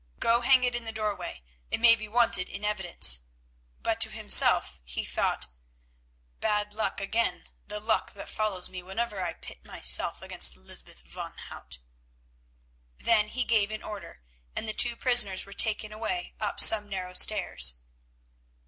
Go hang it in the doorway, it may be wanted in evidence," but to himself he thought, "Bad luck again, the luck that follows me whenever I pit myself against Lysbeth van Hout." Then he gave an order, and the two prisoners were taken away up some narrow stairs.